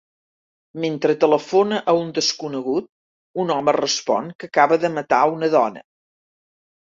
Mentre telefona a un desconegut, un home respon que acaba de matar una dona.